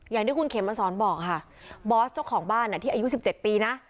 อย่างที่คุณเขมมาสอนบอกค่ะบอสเจ้าของบ้านที่อายุ๑๗ปีนะ